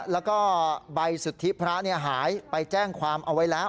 แล้วก็ใบสุทธิพระหายไปแจ้งความเอาไว้แล้ว